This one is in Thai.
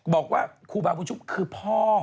บอกว่าครูบาบุญชุบคือพ่อ